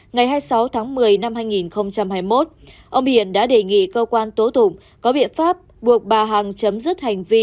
ngày hai mươi sáu tháng một mươi năm hai nghìn hai mươi một ông hiền đã đề nghị cơ quan tố tụng có biện pháp buộc bà hằng chấm dứt hành vi